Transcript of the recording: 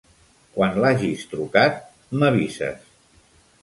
Quan l'hagis trucat, m'avises.